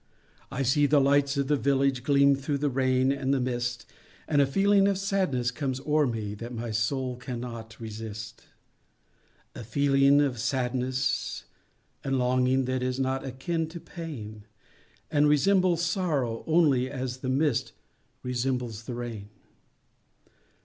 I see the lights of the village Gleam through the rain and the mist, And a feeling of sadness comes o'er me, That my soul cannot resist; A feeling of sadness and longing, That is not akin to pain, And resembles sorrow only As the mist resembles the rain.